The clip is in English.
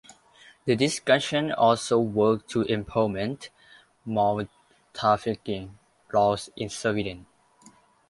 The discussion also worked to implement more trafficking laws in Sweden.